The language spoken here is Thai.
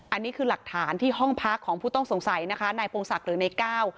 อันนี้คือหลักฐานที่ห้องพักของผู้ต้องสงสัยนะคะนายพงศักดิ์หรือในก้าว